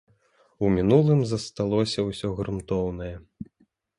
У мінулым засталося ўсё грунтоўнае.